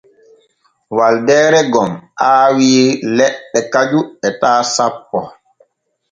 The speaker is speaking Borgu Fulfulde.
Waldeere gom aawii leɗɗe kaju etaa sanpo.